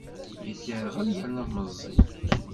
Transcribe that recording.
Yedderɣel yerna meẓẓi.